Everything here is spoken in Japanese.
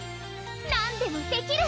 なんでもできる！